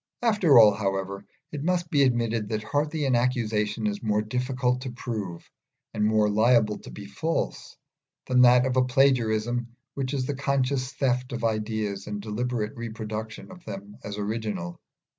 After all, however, it must be admitted that hardly any accusation is more difficult to prove, and more liable to be false, than that of a plagiarism which is the conscious theft of ideas and deliberate reproduction of them as original.